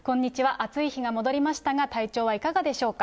暑い日が戻りましたが体調はいかがでしょうか。